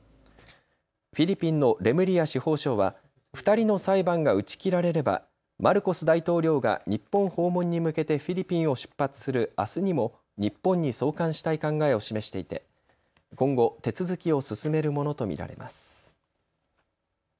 フィリピンのレムリア司法相は２人の裁判が打ち切られればマルコス大統領が日本訪問に向けてフィリピンを出発するあすにも日本に送還したい考えを示していて、今後手続きを進めるものと見られます。